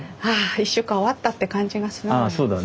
１週間終わったって感じがするのよ。